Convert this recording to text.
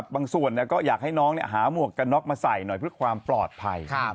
บางส่วนก็อยากให้น้องหาหมวกกันน็อกมาใส่หน่อยเพื่อความปลอดภัย